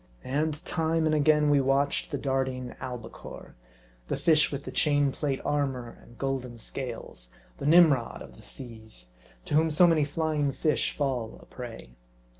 And time and again we watched the darting albicore, the fish with the chain plate armor and golden scales ; the Nim rod of the seas, to whom so many flying fish fall a prey.